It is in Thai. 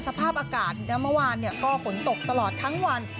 สภาพอากาศและเมื่อวานก็ฝนตกตลอดทั้งวัน